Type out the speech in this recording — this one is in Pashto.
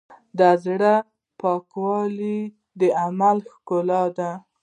د زړۀ پاکوالی د عمل ښکلا ده.